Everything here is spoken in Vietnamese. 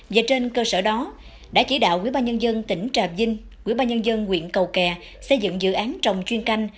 và trên cơ sở đó đã chỉ đạo quỹ ba nhân dân tỉnh trà vinh quỹ ba nhân dân quyện cầu kè xây dựng dự án trồng chuyên canh